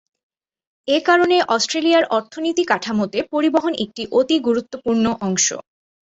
এ কারণে অস্ট্রেলিয়ার অর্থনীতি কাঠামোতে পরিবহন একটি অতি গুরুত্বপূর্ণ অংশ।